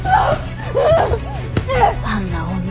あんな女。